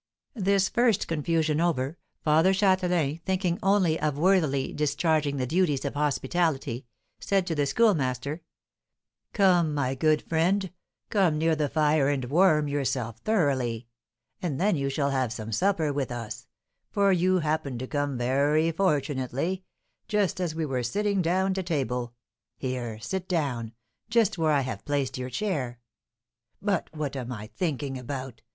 This first confusion over, Father Châtelain, thinking only of worthily discharging the duties of hospitality, said to the Schoolmaster: "Come, my good friend come near the fire and warm yourself thoroughly, and then you shall have some supper with us; for you happened to come very fortunately, just as we were sitting down to table. Here, sit down, just where I have placed your chair. But what am I thinking about?"